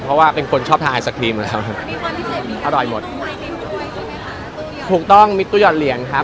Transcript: เพราะว่าเป็นคนชอบทานไอศครีมแล้วครับอร่อยหมดถูกต้องมิดตู้หยอดเหรียญครับ